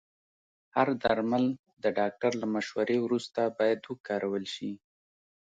هر درمل د ډاکټر له مشورې وروسته باید وکارول شي.